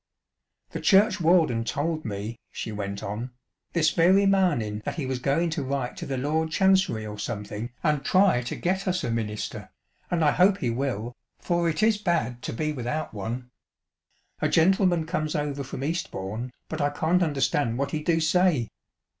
" The churchwarden told me," she went on, " this very marning that he was goin' to write to the Lord Chancery or something and try to get us a minister, and I hope he will, for it is bad to be without one. A gentleman comes over from Eastbourne, but I can't understand what he do say.